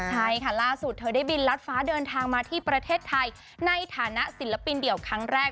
ใช่ค่ะล่าสุดเธอได้บินรัดฟ้าเดินทางมาที่ประเทศไทยในฐานะศิลปินเดี่ยวครั้งแรก